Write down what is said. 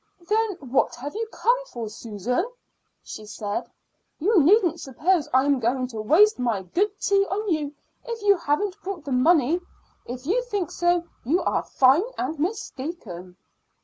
"Then what have you come for, Susan?" she said. "You needn't suppose I am going to waste my good tea on you if you haven't brought the money. If you think so, you are fine and mistaken."